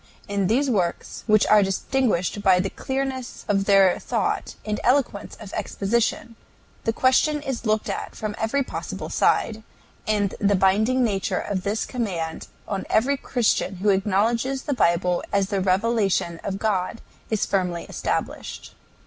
In these works, which are distinguished by the clearness of their thought and eloquence of exposition, the question is looked at from every possible side, and the binding nature of this command on every Christian who acknowledges the Bible as the revelation of God is firmly established.